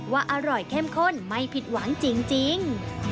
ว่าอร่อยเข้มข้นไม่ผิดหวังจริง